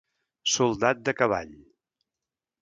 Soldat de cavall.